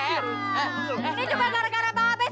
ini juga gara gara bapak sih